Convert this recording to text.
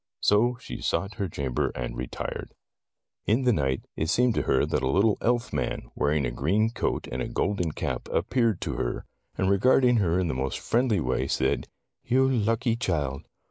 So she sought her chamber and retired. Tales of Modern Germany 21 In the night, it seemed to her that a little elfman, wearing a green coat and a golden cap appeared to her, and regarding her in the most friendly way, said, ''You lucky child!